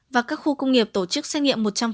và các khu công nghiệp tổ chức xét nghiệm